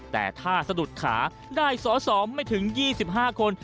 แต่ถ้าสะดุดขาได้สอสอไม่ถึง๒๕คน